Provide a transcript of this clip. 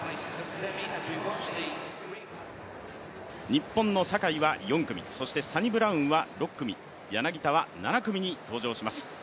日本の坂井は４組、そしてサニブラウンは６組、柳田は７組に登場します。